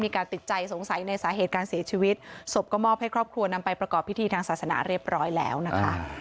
โฆษภาพจะต้องปลอดภัณฑ์ฝีวิชีวิตศพก็มอบให้ครอบครัวนำไปประกอบพิธีทางศาสนาเรียบร้อยแล้วนะคะ